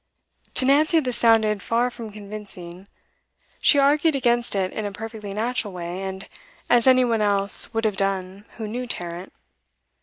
To Nancy this sounded far from convincing. She argued against it in a perfectly natural way, and as any one else would have done who knew Tarrant.